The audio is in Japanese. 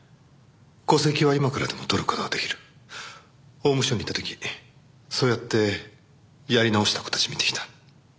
法務省にいた時そうやってやり直した子たち見てきた。